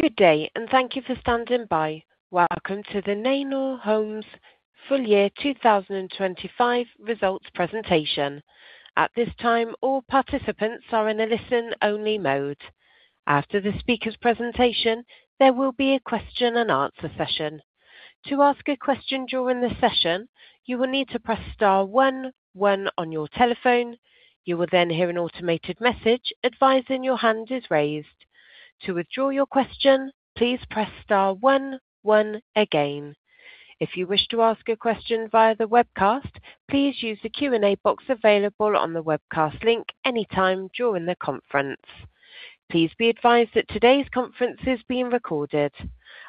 Good day, thank you for standing by. Welcome to the Neinor Homes full year 2025 results presentation. At this time, all participants are in a listen-only mode. After the speaker's presentation, there will be a question and answer session. To ask a question during the session, you will need to press star one one on your telephone. You will hear an automated message advising your hand is raised. To withdraw your question, please press star one one again. If you wish to ask a question via the webcast, please use the Q&A box available on the webcast link anytime during the conference. Please be advised that today's conference is being recorded.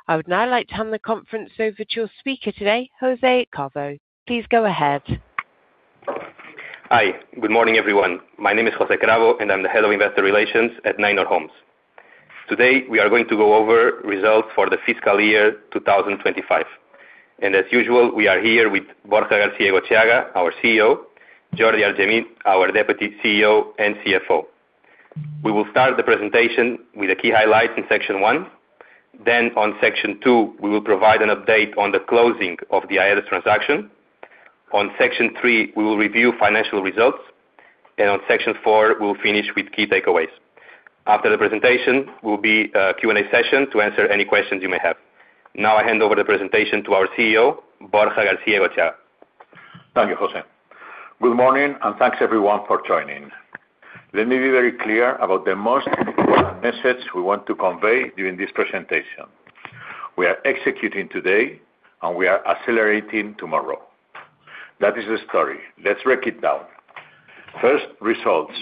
I would now like to hand the conference over to your speaker today, José Cravo. Please go ahead. Hi. Good morning, everyone. My name is José Cravo, and I'm the Head of Investor Relations at Neinor Homes. Today, we are going to go over results for the fiscal year 2025. As usual, we are here with Borja García-Egotxeaga, our CEO, Jordi Argemí; our Deputy CEO and CFO. We will start the presentation with a key highlight in section one. On section two, we will provide an update on the closing of the AEDAS transaction. On section three, we will review financial results, and on section four, we'll finish with key takeaways. After the presentation, will be a Q&A session to answer any questions you may have. I hand over the presentation to our CEO, Borja García-Egotxeaga. Thank you, José. Good morning. Thanks, everyone, for joining. Let me be very clear about the most message we want to convey during this presentation. We are executing today. We are accelerating tomorrow. That is the story. Let's break it down. First, results.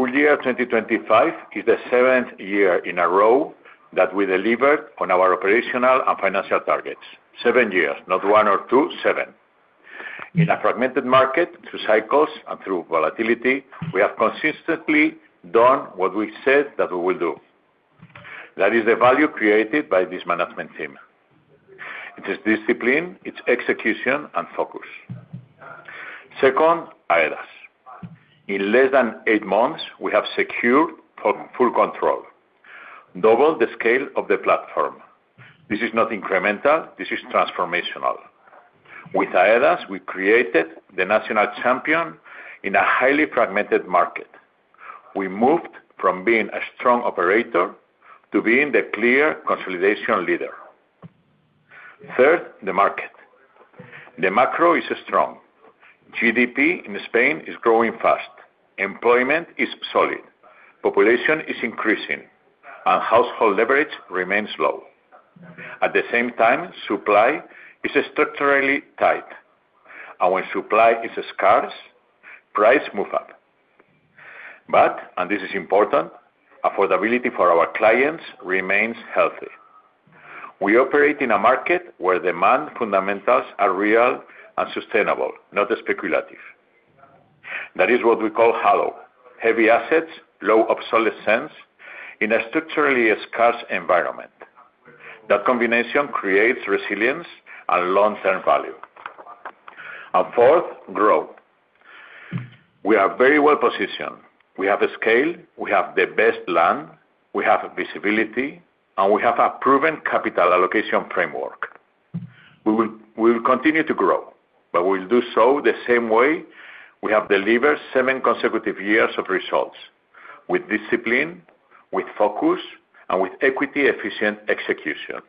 Full year 2025 is the seventh year in a row that we delivered on our operational and financial targets. Seven years, not one or two, seven. In a fragmented market, through cycles and through volatility, we have consistently done what we said that we will do. That is the value created by this management team. It is discipline, it's execution, and focus. Second, AEDAS. In less than eight months, we have secured full control, double the scale of the platform. This is not incremental, this is transformational. With AEDAS, we created the national champion in a highly fragmented market. We moved from being a strong operator to being the clear consolidation leader. Third, the market. The macro is strong. GDP in Spain is growing fast, employment is solid, population is increasing, and household leverage remains low. At the same time, supply is structurally tight, and when supply is scarce, price move up. This is important, affordability for our clients remains healthy. We operate in a market where demand fundamentals are real and sustainable, not speculative. That is what we call HILO, heavy assets, low obsolescence, in a structurally scarce environment. That combination creates resilience and long-term value. Fourth, growth. We are very well positioned. We have the scale, we have the best land, we have visibility, and we have a proven capital allocation framework. We will continue to grow, we will do so the same way we have delivered seven consecutive years of results, with discipline, with focus, and with equity-efficient execution.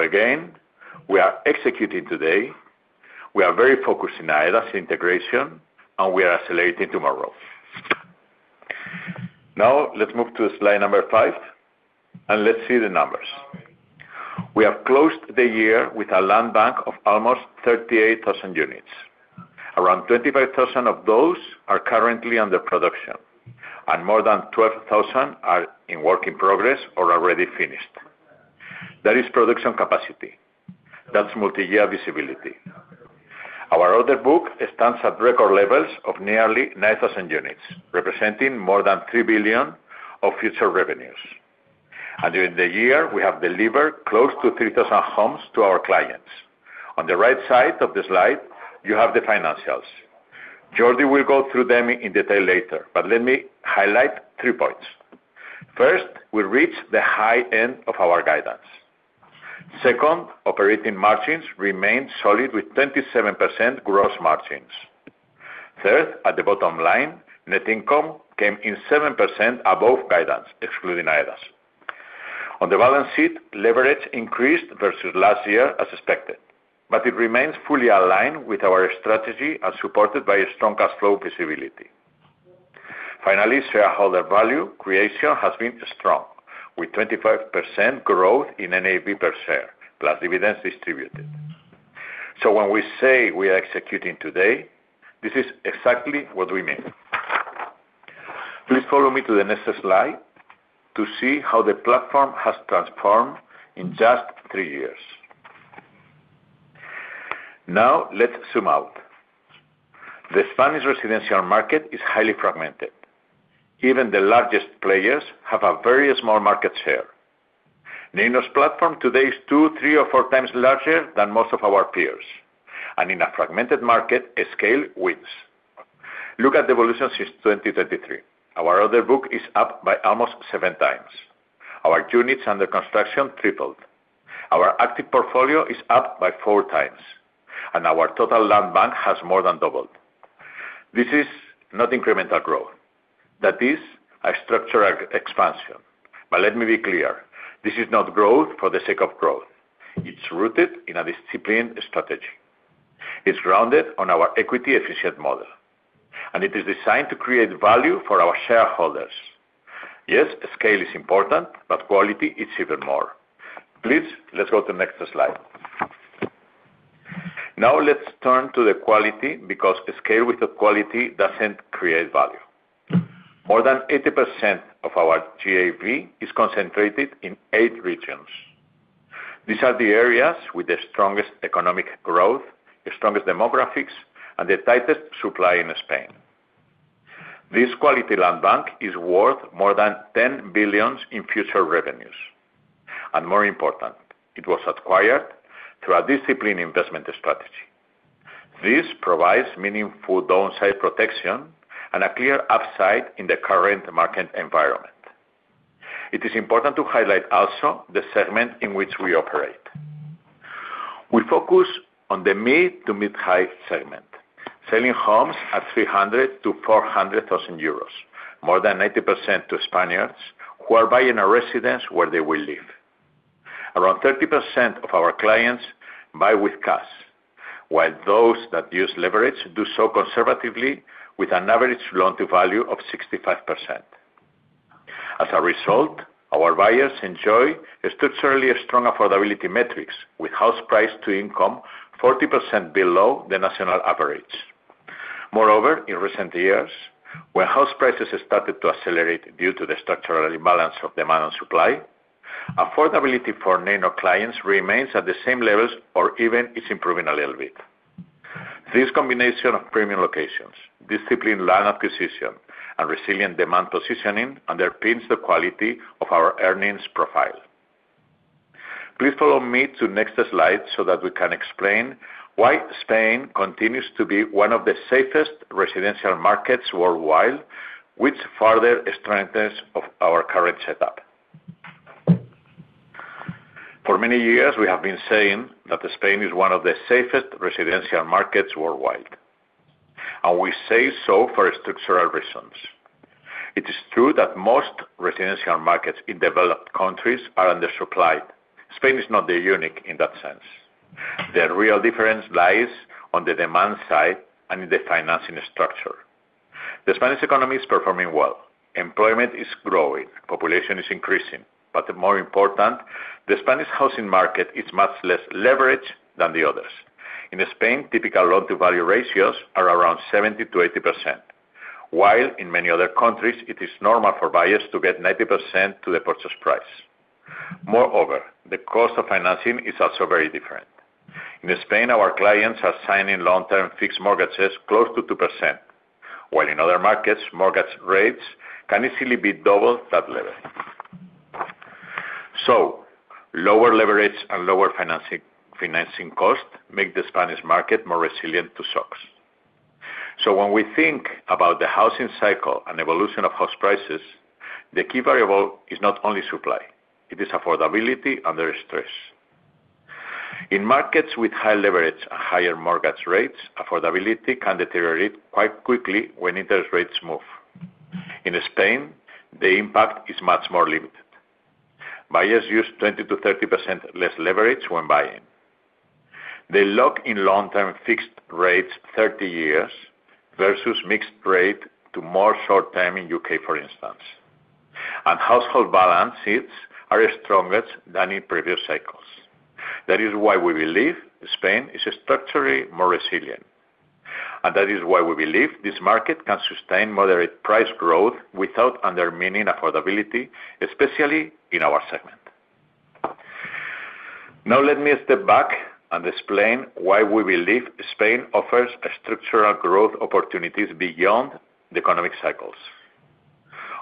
Again, we are executing today, we are very focused in AEDAS integration, we are accelerating tomorrow. Now, let's move to slide number five, let's see the numbers. We have closed the year with a land bank of almost 38,000 units. Around 25,000 of those are currently under production, more than 12,000 are in work in progress or already finished. That is production capacity. That's multi-year visibility. Our order book stands at record levels of nearly 9,000 units, representing more than 3 billion of future revenues. During the year, we have delivered close to 3,000 homes to our clients. On the right side of the slide, you have the financials. Jordi will go through them in detail later, but let me highlight three points. First, we reached the high end of our guidance. Second, operating margins remained solid, with 27% gross margins. Third, at the bottom line, net income came in 7% above guidance, excluding AEDAS. On the balance sheet, leverage increased versus last year, as expected, but it remains fully aligned with our strategy and supported by a strong cash flow visibility. Finally, shareholder value creation has been strong, with 25% growth in NAV per share, plus dividends distributed. When we say we are executing today, this is exactly what we mean. Please follow me to the next slide to see how the platform has transformed in just three years. Now, let's zoom out. The Spanish residential market is highly fragmented. Even the largest players have a very small market share. Neinor's platform today is 2, 3, or 4x larger than most of our peers, and in a fragmented market, a scale wins. Look at the evolution since 2023. Our order book is up by almost 7x. Our units under construction tripled. Our active portfolio is up by 4x, and our total land bank has more than doubled. This is not incremental growth. That is a structural expansion. Let me be clear, this is not growth for the sake of growth. It's rooted in a disciplined strategy. It's grounded on our equity efficient model, and it is designed to create value for our shareholders. Yes, scale is important, but quality is even more. Please, let's go to the next slide. Now, let's turn to the quality, because scale with the quality doesn't create value. More than 80% of our GAV is concentrated in eight regions. These are the areas with the strongest economic growth, the strongest demographics, and the tightest supply in Spain. This quality land bank is worth more than 10 billion in future revenues. More important, it was acquired through a disciplined investment strategy. This provides meaningful downside protection and a clear upside in the current market environment. It is important to highlight also the segment in which we operate. We focus on the mid to mid-high segment, selling homes at 300,000-400,000 euros, more than 80% to Spaniards, who are buying a residence where they will live. Around 30% of our clients buy with cash, while those that use leverage do so conservatively, with an average loan-to-value of 65%. As a result, our buyers enjoy a structurally strong affordability metrics, with house price to income 40% below the national average. In recent years, when house prices started to accelerate due to the structural imbalance of demand and supply, affordability for Neinor clients remains at the same levels or even it's improving a little bit. This combination of premium locations, disciplined land acquisition, and resilient demand positioning underpins the quality of our earnings profile. Please follow me to next slide that we can explain why Spain continues to be one of the safest residential markets worldwide, which further strengthens of our current setup. For many years, we have been saying that Spain is one of the safest residential markets worldwide. We say so for structural reasons. It is true that most residential markets in developed countries are undersupplied. Spain is not the unique in that sense. The real difference lies on the demand side and in the financing structure. The Spanish economy is performing well. Employment is growing, population is increasing, more important, the Spanish housing market is much less leveraged than the others. In Spain, typical loan-to-value ratios are around 70%-80%, while in many other countries, it is normal for buyers to get 90% to the purchase price. Moreover, the cost of financing is also very different. In Spain, our clients are signing long-term fixed mortgages close to 2%, while in other markets, mortgage rates can easily be double that level. Lower leverage and lower financing cost make the Spanish market more resilient to shocks. When we think about the housing cycle and evolution of house prices, the key variable is not only supply, it is affordability under stress. In markets with high leverage and higher mortgage rates, affordability can deteriorate quite quickly when interest rates move. In Spain, the impact is much more limited. Buyers use 20%-30% less leverage when buying. They lock in long-term fixed rates, 30 years, versus mixed rate to more short-term in U.K., for instance. Household balance sheets are strongest than in previous cycles. That is why we believe Spain is structurally more resilient. That is why we believe this market can sustain moderate price growth without undermining affordability, especially in our segment. Now, let me step back and explain why we believe Spain offers structural growth opportunities beyond the economic cycles.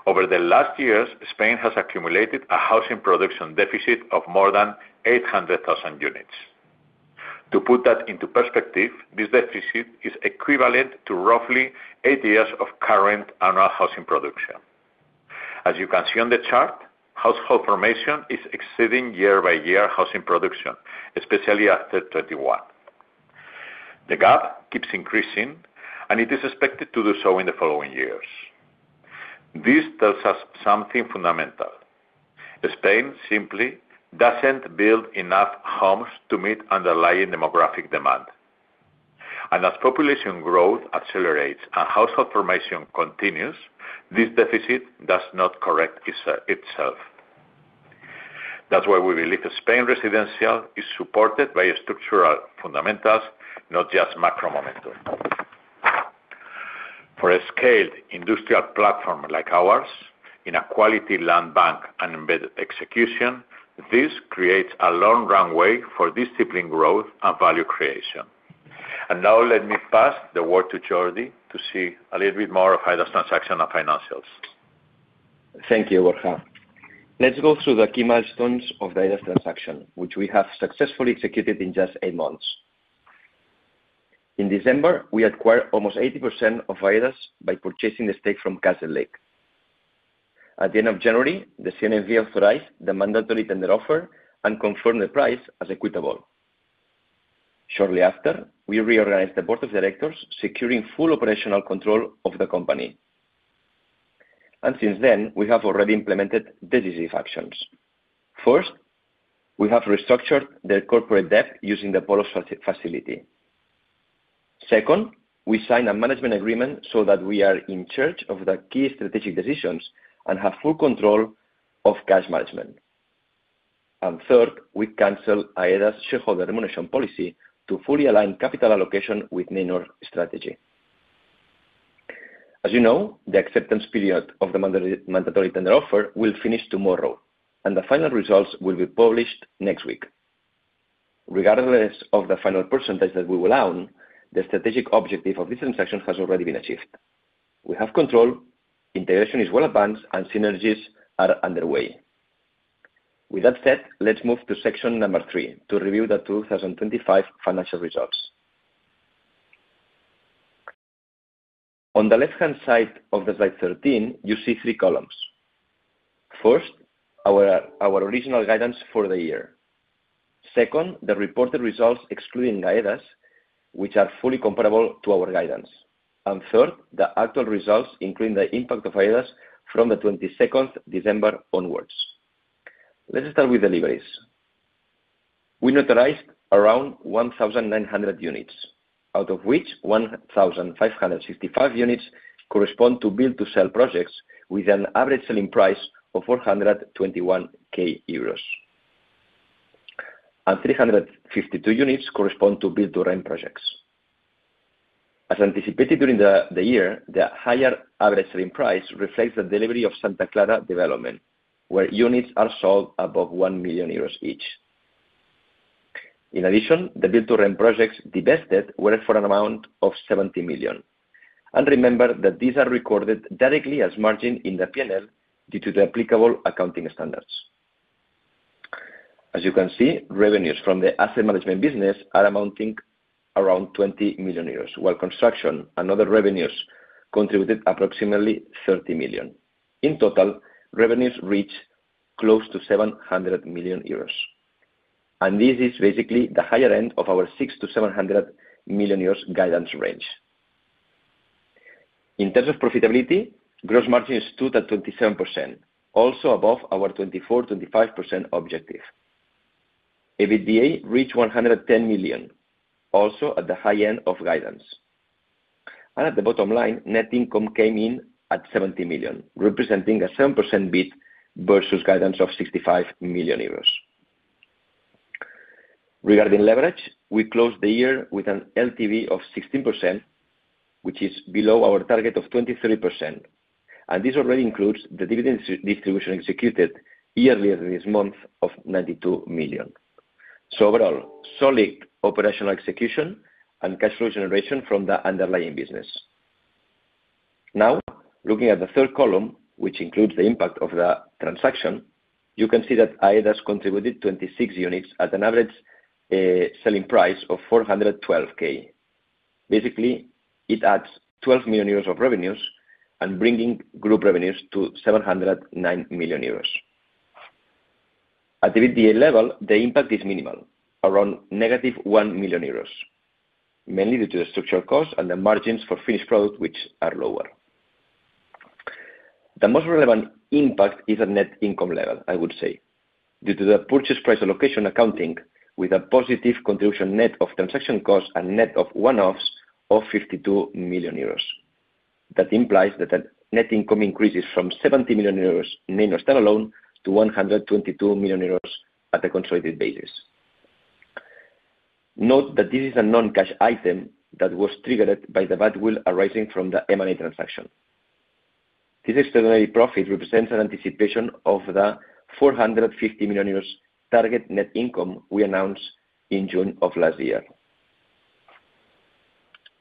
Over the last years, Spain has accumulated a housing production deficit of more than 800,000 units. To put that into perspective, this deficit is equivalent to roughly eight years of current annual housing production. As you can see on the chart, household formation is exceeding year by year housing production, especially after 2021. The gap keeps increasing, and it is expected to do so in the following years. This tells us something fundamental: Spain simply doesn't build enough homes to meet underlying demographic demand. As population growth accelerates and household formation continues, this deficit does not correct itself. That's why we believe Spain residential is supported by structural fundamentals, not just macro momentum. For a scaled industrial platform like ours, in a quality land bank and embedded execution, this creates a long runway for disciplined growth and value creation. Now let me pass the word to Jordi to see a little bit more of high transaction and financials. Thank you, Borja. Let's go through the key milestones of the AEDAS transaction, which we have successfully executed in just eight months. In December, we acquired almost 80% of AEDAS by purchasing the stake from Castlelake. At the end of January, the CNMV authorized the mandatory tender offer and confirmed the price as equitable. Shortly after, we reorganized the board of directors, securing full operational control of the company. Since then, we have already implemented decisive actions. First, we have restructured the corporate debt using the Polo facility. Second, we signed a management agreement so that we are in charge of the key strategic decisions and have full control of cash management. Third, we canceled AEDAS' shareholder remuneration policy to fully align capital allocation with Minerva's strategy. As you know, the acceptance period of the mandatory tender offer will finish tomorrow, and the final results will be published next week. Regardless of the final percentage that we will own, the strategic objective of this transaction has already been achieved. We have control, integration is well advanced, and synergies are underway. With that said, let's move to section number three to review the 2025 financial results. On the left-hand side of slide 13, you see three columns. First, our original guidance for the year. Second, the reported results, excluding AEDAS, which are fully comparable to our guidance. And third, the actual results, including the impact of AEDAS from the December 22nd onwards. Let's start with deliveries. We notarized around 1,900 units, out of which 1,555 units correspond to build-to-sell projects, with an average selling price of 421,000 euros. 352 units correspond to build-to-rent projects. As anticipated during the year, the higher average selling price reflects the delivery of Santa Clara development, where units are sold above 1 million euros each. In addition, the build-to-rent projects divested were for an amount of 70 million. Remember that these are recorded directly as margin in the P&L due to the applicable accounting standards. As you can see, revenues from the asset management business are amounting around 20 million euros, while construction and other revenues contributed approximately 30 million. In total, revenues reached close to 700 million euros, this is basically the higher end of our 600 million-700 million euros guidance range. In terms of profitability, gross margin stood at 27%, also above our 24%-25% objective. EBITDA reached 110 million, also at the high end of guidance. At the bottom line, net income came in at 70 million, representing a 7% beat versus guidance of 65 million euros. Regarding leverage, we closed the year with an LTV of 16%, which is below our target of 23%. This already includes the dividend distribution executed earlier this month of 92 million. Overall, solid operational execution and cash flow generation from the underlying business. Now, looking at the third column, which includes the impact of the transaction, you can see that AEDAS contributed 26 units at an average selling price of 412,000. Basically, it adds 12 million euros of revenues and bringing group revenues to 709 million euros. At the EBITDA level, the impact is minimal, around negative 1 million euros, mainly due to the structural costs and the margins for finished product, which are lower. The most relevant impact is at net income level, I would say, due to the purchase price allocation, accounting with a positive contribution net of transaction costs and net of one-offs of 52 million euros. That implies that the net income increases from 70 million euros in Minerva standalone to 122 million euros at a consolidated basis. Note that this is a non-cash item that was triggered by the goodwill arising from the M&A transaction. This extraordinary profit represents an anticipation of the 450 million euros target net income we announced in June of last year.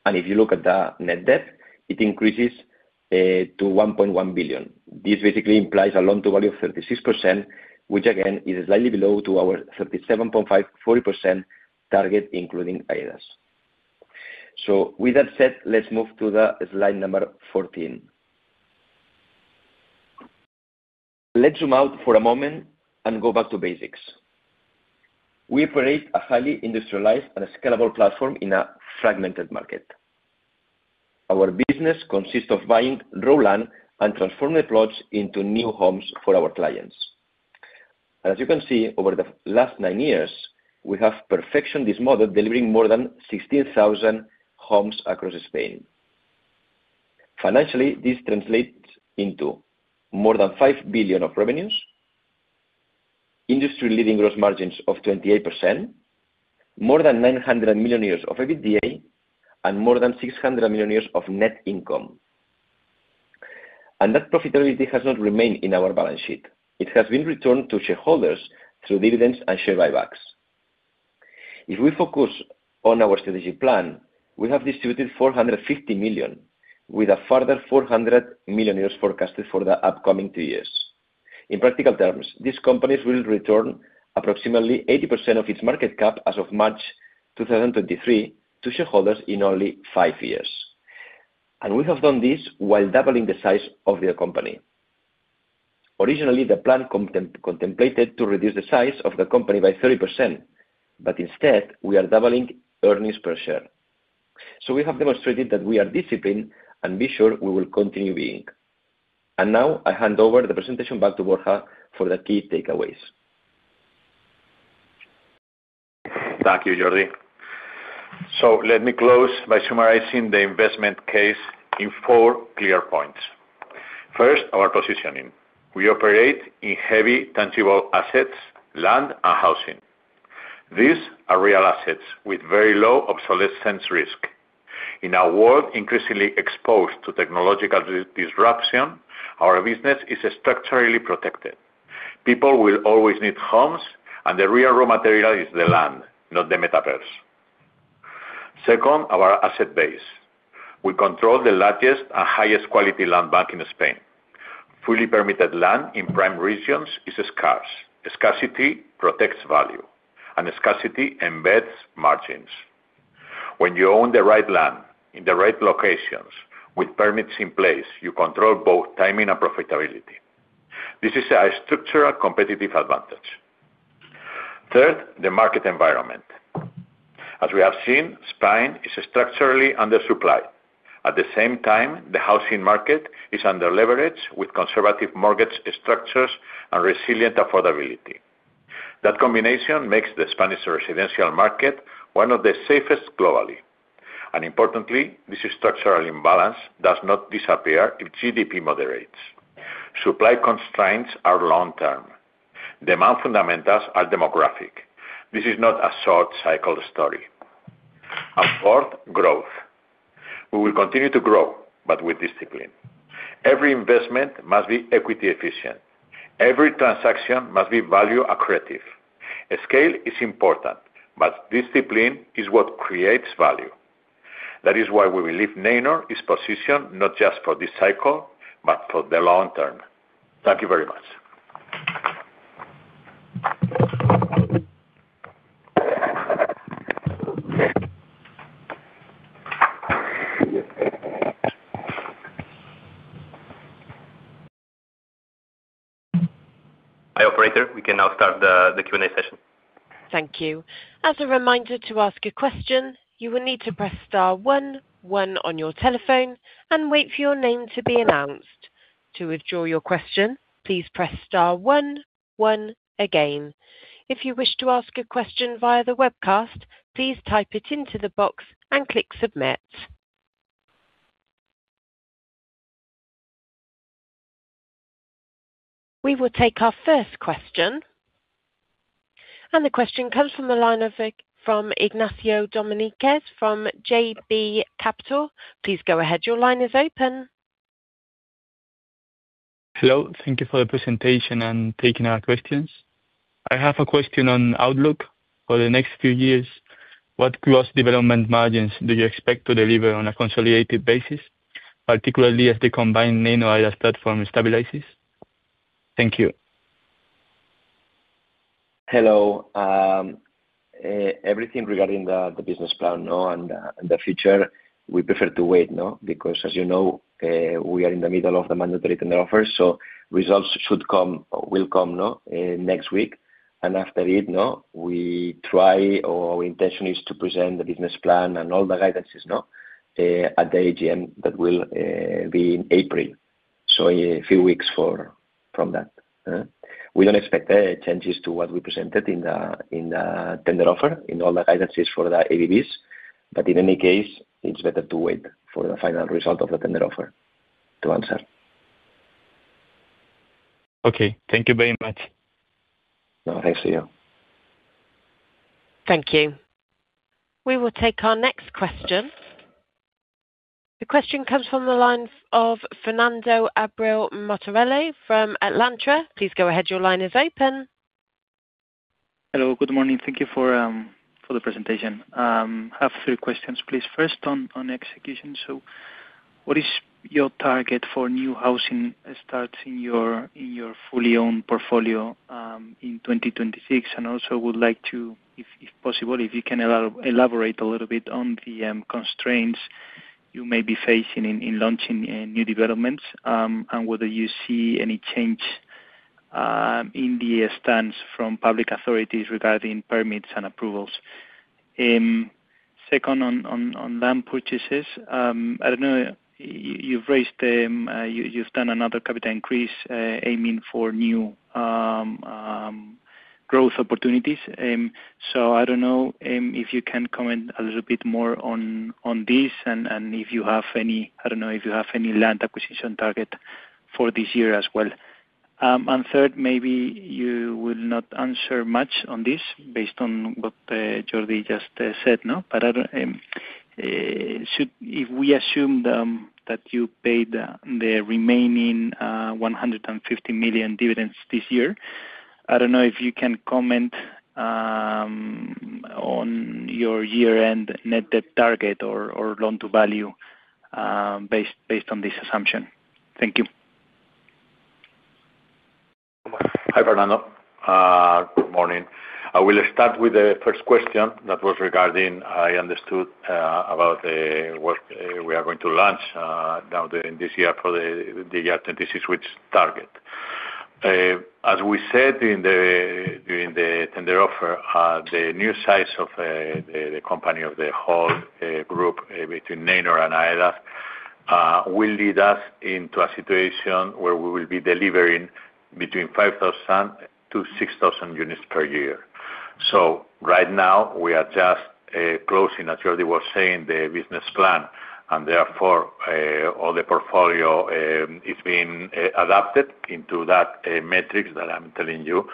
If you look at the net debt, it increases to 1.1 billion. This basically implies a loan-to-value of 36%, which again, is slightly below to our 37.5%-40% target, including AEDAS. With that said, let's move to slide number 14. Let's zoom out for a moment and go back to basics. We operate a highly industrialized and scalable platform in a fragmented market. Our business consists of buying raw land and transforming the plots into new homes for our clients. As you can see, over the last nine years, we have perfected this model, delivering more than 16,000 homes across Spain. Financially, this translates into more than 5 billion of revenues, industry-leading gross margins of 28%, more than 900 million of EBITDA, and more than 600 million of net income. That profitability has not remained in our balance sheet. It has been returned to shareholders through dividends and share buybacks. If we focus on our strategic plan, we have distributed 450 million, with a further 400 million euros forecasted for the upcoming two years. In practical terms, these companies will return approximately 80% of its market cap as of March 2023 to shareholders in only five years. We have done this while doubling the size of the company. Originally, the plan contemplated to reduce the size of the company by 30%, but instead, we are doubling earnings per share. We have demonstrated that we are disciplined, and be sure we will continue being. Now, I hand over the presentation back to Borja for the key takeaways. Thank you, Jordi. Let me close by summarizing the investment case in four clear points. First, our positioning. We operate in heavy tangible assets, land, and housing. These are real assets with very low obsolescence risk. In a world increasingly exposed to technological disruption, our business is structurally protected. People will always need homes, and the real raw material is the land, not the metaverse. Second, our asset base. We control the largest and highest quality land bank in Spain. Fully permitted land in prime regions is scarce. Scarcity protects value, and scarcity embeds margins. When you own the right land in the right locations with permits in place, you control both timing and profitability. This is a structural competitive advantage. Third, the market environment. As we have seen, Spain is structurally undersupplied. At the same time, the housing market is underleveraged with conservative mortgage structures and resilient affordability. That combination makes the Spanish residential market one of the safest globally. Importantly, this structural imbalance does not disappear if GDP moderates. Supply constraints are long term. Demand fundamentals are demographic. This is not a short cycle story. Fourth, growth. We will continue to grow. With discipline, every investment must be equity-efficient. Every transaction must be value-accretive. Scale is important. Discipline is what creates value. That is why we believe Neinor is positioned not just for this cycle, but for the long term. Thank you very much. Hi, operator. We can now start the Q&A session. Thank you. As a reminder, to ask a question, you will need to press star one one on your telephone and wait for your name to be announced. To withdraw your question, please press star one one again. If you wish to ask a question via the webcast, please type it into the box and click Submit. We will take our first question. The question comes from the line from Ignacio Domínguez from JB Capital. Please go ahead. Your line is open. Hello. Thank you for the presentation and taking our questions. I have a question on outlook for the next few years. What growth development margins do you expect to deliver on a consolidated basis, particularly as the combined Neinor platform stabilizes? Thank you. Hello. Everything regarding the business plan, no, and the future, we prefer to wait, no. Because as you know, we are in the middle of the mandatory tender offer, so results will come, no, next week. After it, no, we try, or our intention is to present the business plan and all the guidances, no, at the AGM, that will be in April. A few weeks from that. We don't expect changes to what we presented in the tender offer, in all the guidances for the ABBs, but in any case, it's better to wait for the final result of the tender offer to answer. Okay. Thank you very much. No, thanks to you. Thank you. We will take our next question. The question comes from the lines of Fernando Abril-Martorell from Alantra. Please go ahead. Your line is open. Hello, good morning. Thank you for for the presentation. I have three questions, please. First, on execution: What is your target for new housing starts in your fully owned portfolio in 2026? Would like to, if possible, if you can elaborate a little bit on the constraints you may be facing in launching new developments, and whether you see any change in the stance from public authorities regarding permits and approvals. Second, on land purchases, I don't know, you've raised, you've done another capital increase, aiming for new growth opportunities. I don't know, if you can comment a little bit more on this and if you have any, I don't know, if you have any land acquisition target for this year as well. Third, maybe you will not answer much on this based on what Jordi just said, no, but I don't, should, if we assume, that you paid the remaining, 150 million dividends this year, I don't know if you can comment, on your year-end net debt target or loan-to-value, based on this assumption. Thank you. Hi, Fernando. Good morning. I will start with the first question that was regarding, I understood, about what we are going to launch now in this year for the 2026 target. As we said in the tender offer, the new size of the company of the whole group, between Neinor and AEDAS, will lead us into a situation where we will be delivering between 5,000-6,000 units per year. Right now, we are just closing, as Jordi was saying, the business plan, and therefore, all the portfolio is being adapted into that metrics that I'm telling you.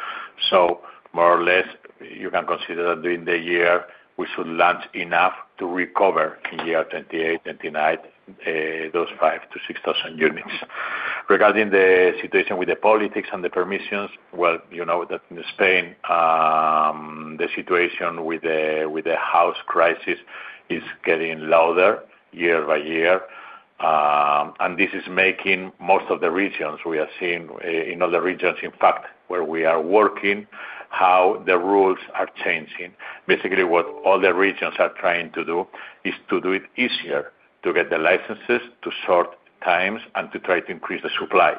More or less, you can consider that during the year, we should launch enough to recover in year 2028, 2029, those 5,000-6,000 units. Regarding the situation with the politics and the permissions, well, you know that in Spain, the situation with the house crisis is getting louder year by year. This is making most of the regions, we are seeing, in other regions, in fact, where we are working, how the rules are changing. Basically, what all the regions are trying to do is to do it easier, to get the licenses, to short times, and to try to increase the supply.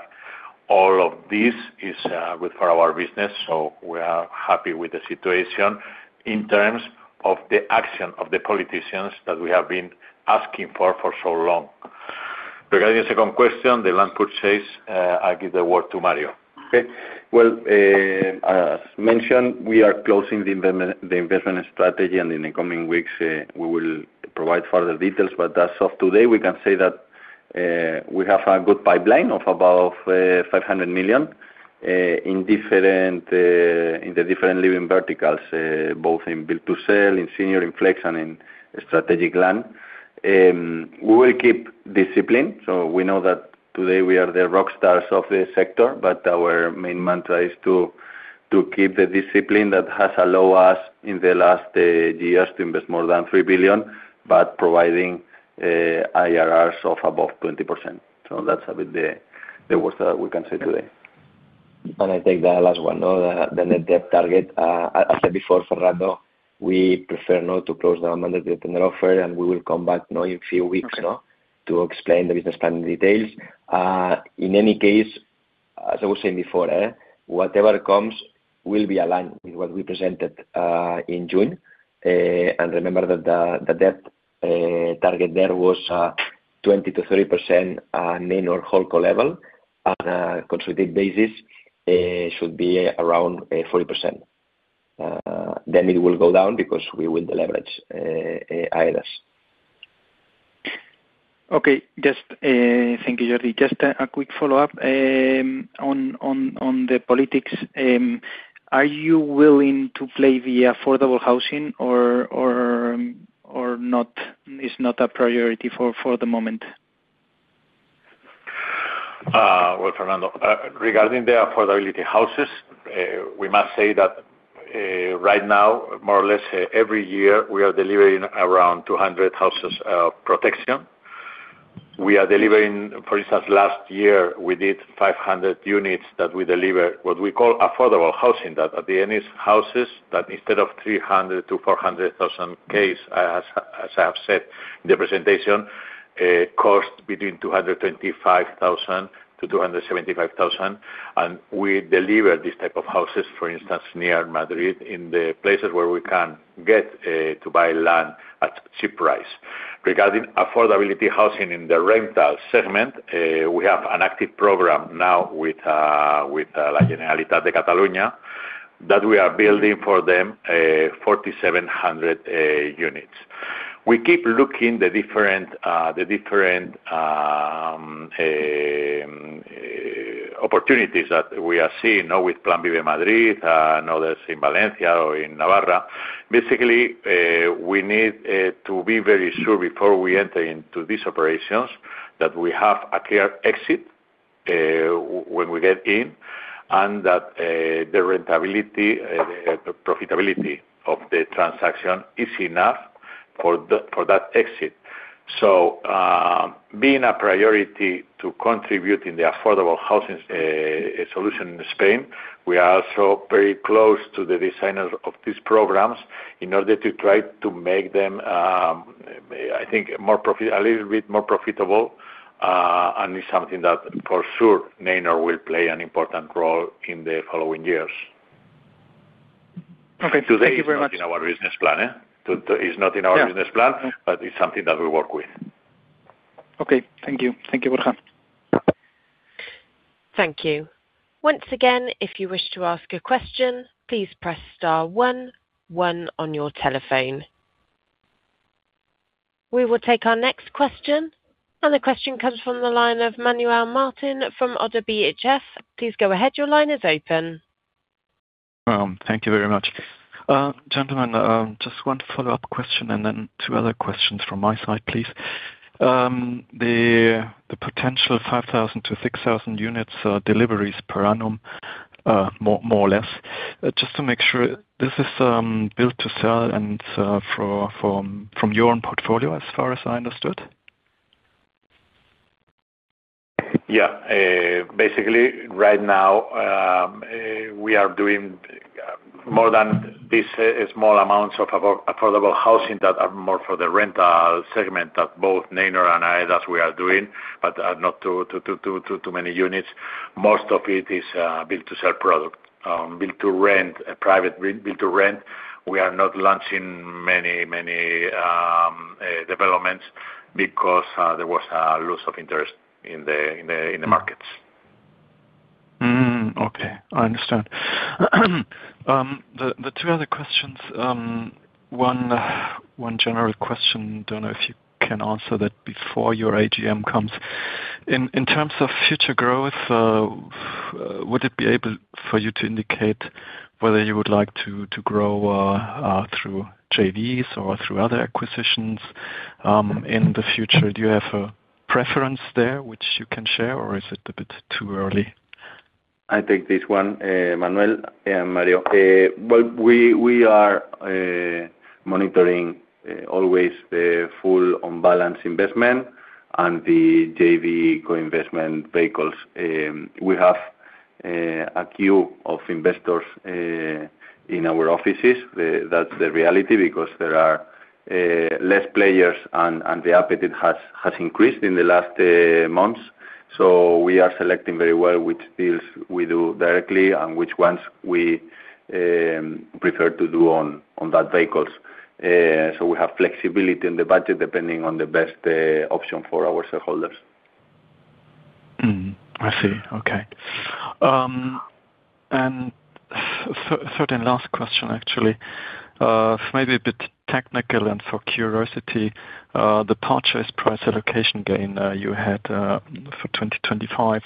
All of this is good for our business, so we are happy with the situation in terms of the action of the politicians that we have been asking for so long. Regarding the second question, the land purchase, I give the word to Mario. Okay. Well, as mentioned, we are closing the investment strategy, and in the coming weeks, we will provide further details. As of today, we can say that we have a good pipeline of about 500 million in different in the different living verticals, both in build-to-sell, in Senior Living, Flex Living, and in strategic land. We will keep discipline, we know that today we are the rock stars of the sector, but our main mantra is to keep the discipline that has allow us in the last years to invest more than 3 billion, but providing IRRs of above 20%. That's a bit the words that we can say today. I take the last one, the net debt target. As said before, Fernando, we prefer not to close the amount of debt in the offer, and we will come back, you know, in a few weeks, to explain the business plan in details. In any case, as I was saying before, whatever comes will be aligned with what we presented in June. Remember that the debt target there was 20%-30% Neinor HoldCo level. At a consolidated basis, should be around 40%. It will go down because we will deleverage AEDAS. Okay, just thank you, Jordi. Just a quick follow-up on the politics. Are you willing to play the affordable housing or not? It's not a priority for the moment? Well, Fernando, regarding the affordability houses, we must say that right now, more or less, every year, we are delivering around 200 houses of protection. We are delivering, for instance, last year, we did 500 units that we deliver, what we call affordable housing. At the end is houses that instead of 300,000-400,000 case, as I have said in the presentation, cost between 225,000-275,000, and we deliver these type of houses, for instance, near Madrid, in the places where we can get to buy land at cheap price. Regarding affordability housing in the rental segment, we have an active program now with La Generalitat de Catalunya, that we are building for them, 4,700 units. We keep looking the different, the different opportunities that we are seeing, now with Plan VIVE in Madrid, and others in Valencia or in Navarra. Basically, we need to be very sure before we enter into these operations, that we have a clear exit, when we get in, and that the rentability, the profitability of the transaction is enough for the, for that exit. Being a priority to contribute in the affordable housing solution in Spain, we are also very close to the designers of these programs in order to try to make them, I think, a little bit more profitable, and it's something that for sure, Neinor will play an important role in the following years. Okay. Thank you very much. Today is not in our business plan, eh. It's not in our business plan. Yeah. It's something that we work with. Okay. Thank you. Thank you, Juan. Thank you. Once again, if you wish to ask a question, please press star one one on your telephone. We will take our next question, and the question comes from the line of Manuel Martin from Oddo BHF. Please go ahead. Your line is open. Well, thank you very much. Gentlemen, just one follow-up question, and then two other questions from my side, please. The potential 5,000-6,000 units deliveries per annum, more or less. Just to make sure, this is build-to-sell and from your own portfolio, as far as I understood? Yeah. Basically, right now, we are doing more than this small amounts of affordable housing that are more for the rental segment that both Neinor and AEDAS we are doing, but not too many units. Most of it is build-to-sell product. Build-to-rent, a private build-to-rent, we are not launching many developments because there was a loss of interest in the markets. Okay, I understand. The two other questions, one general question, don't know if you can answer that before your AGM comes. In terms of future growth, would it be able for you to indicate whether you would like to grow through JVs or through other acquisitions in the future? Do you have a preference there, which you can share, or is it a bit too early? I take this one, Manuel, Mario. Well, we are monitoring always the full on balance investment and the JV co-investment vehicles. We have a queue of investors in our offices. That's the reality, because there are less players and the appetite has increased in the last months. We are selecting very well which deals we do directly and which ones we prefer to do on that vehicles. We have flexibility in the budget, depending on the best option for our shareholders. I see. Okay. Third and last question, actually. Maybe a bit technical and for curiosity, the purchase price allocation gain you had for 2025,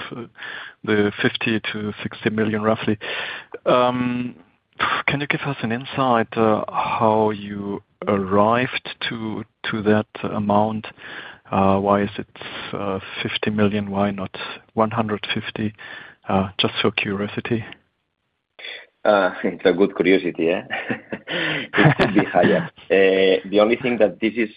the 50 million-60 million, roughly. Can you give us an insight how you arrived to that amount? Why is it 50 million, why not 150 million? Just for curiosity. It's a good curiosity, eh? It could be higher. The only thing that this is,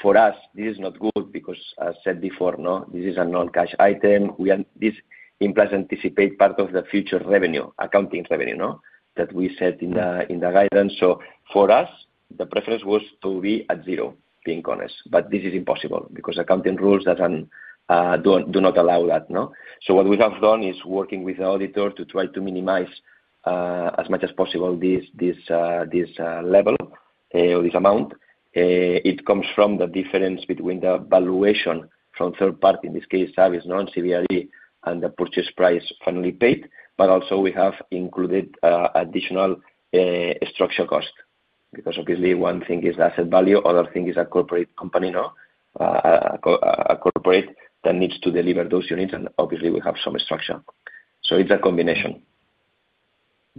for us, this is not good because as I said before, this is a non-cash item. This implies anticipate part of the future revenue, accounting revenue, that we set in the guidance. For us, the preference was to be at zero, being honest. This is impossible, because accounting rules that do not allow that. What we have done is working with the auditor to try to minimize as much as possible, this level or this amount. It comes from the difference between the valuation from third party, in this case, that is CBRE, and the purchase price finally paid. Also we have included, additional, structural cost, because obviously one thing is asset value, other thing is a corporate company, no, a corporate that needs to deliver those units, and obviously we have some structure. It's a combination.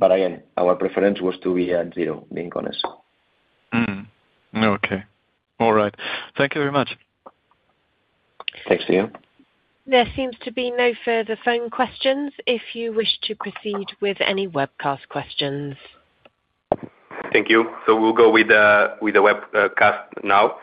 Again, our preference was to be at zero, being honest. Okay. All right. Thank you very much. Thanks to you. There seems to be no further phone questions, if you wish to proceed with any webcast questions. Thank you. We'll go with the webcast now.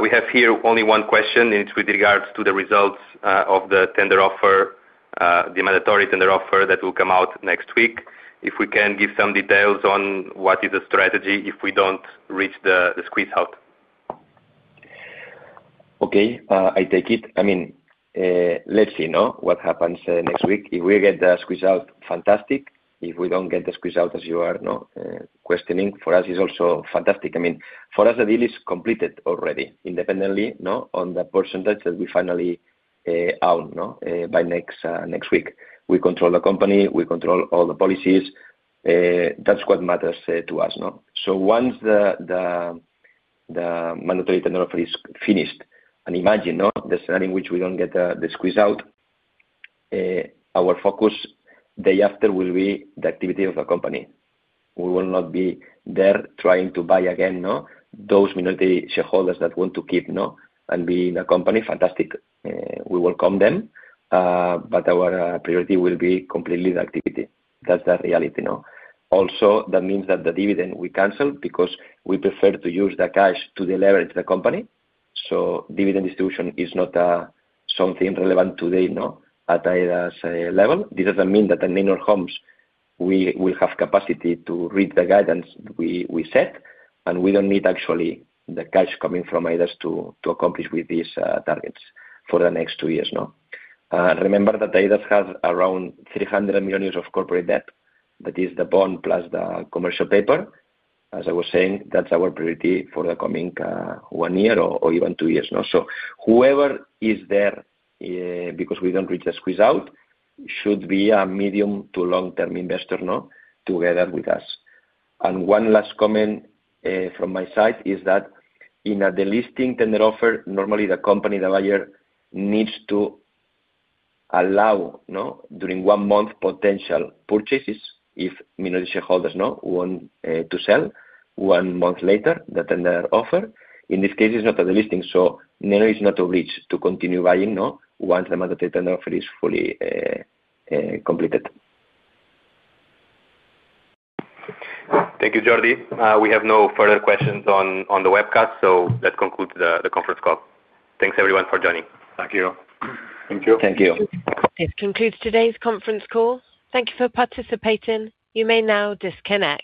We have here only one question, and it's with regards to the results of the tender offer, the mandatory tender offer that will come out next week. If we can give some details on what is the strategy, if we don't reach the squeeze-out. Okay, I take it. I mean, let's see, no? What happens next week. If we get the squeeze-out, fantastic. If we don't get the squeeze-out as you are, no, questioning, for us it's also fantastic. I mean, for us, the deal is completed already, independently, no, on the percentage that we finally out, no? By next week. We control the company, we control all the policies. That's what matters to us, no? Once the mandatory tender offer is finished, and imagine, no, the scenario in which we don't get the squeeze-out, our focus day after will be the activity of the company. We will not be there trying to buy again, no, those minority shareholders that want to keep, no, and be in the company, fantastic. We welcome them, our priority will be completely the activity. That's the reality, no? That means that the dividend we canceled because we prefer to use the cash to deleverage the company. Dividend distribution is not something relevant today, no, at AEDAS level. This doesn't mean that at Neinor Homes we will have capacity to read the guidance we set, and we don't need actually the cash coming from AEDAS to accomplish with these targets for the next two years, no? Remember that AEDAS has around 300 million of corporate debt. That is the bond plus the commercial paper. As I was saying, that's our priority for the coming one year or even two years, no? Whoever is there, because we don't reach the squeeze out, should be a medium to long-term investor, no, together with us. One last comment, from my side is that in a delisting tender offer, normally the company, the buyer, needs to allow, no, during one month, potential purchases, if minority shareholders, no, want to sell one month later, the tender offer. In this case, it's not a delisting, so Neinor is not obliged to continue buying, no, once the mandatory tender offer is fully completed. Thank you, Jordi. We have no further questions on the webcast. That concludes the conference call. Thanks, everyone, for joining. Thank you. Thank you. Thank you. This concludes today's conference call. Thank you for participating. You may now disconnect.